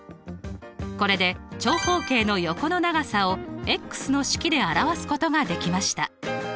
これで長方形の横の長さをの式で表すことができました。